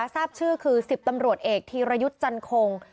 ทราบชื่อคือ๑๐ตำรวจเอกธีรยุทธ์จันคง